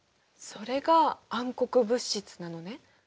それが暗黒物質なのね！